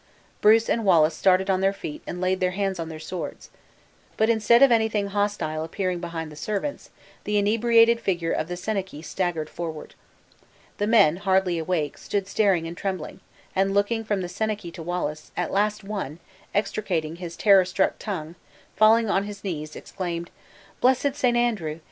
Bruce and Wallace started on their feet and laid their hands on their swords. But instead of anything hostile appearing behind the servants, the inebriated figure of the senachie staggered forward. The men, hardly awake, stood staring and trembling, and looking from the senachie to Wallace; at last one, extricating his terror struck tongue, and falling on his knees, exclaimed: "Blessed St. Andrew!